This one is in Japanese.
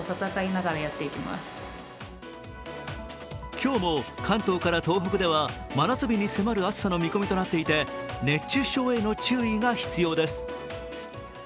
今日も関東から東北では真夏日に迫る暑さの見込みとなっていて熱中症への注意が必要です。